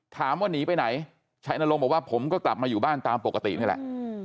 ถามว่าหนีไปไหนชัยนรงค์บอกว่าผมก็กลับมาอยู่บ้านตามปกตินี่แหละ